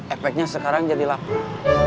epeknya sekarang jadi lapar